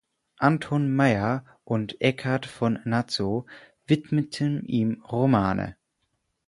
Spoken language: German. Anton Mayer und Eckart von Naso widmeten ihm Romane.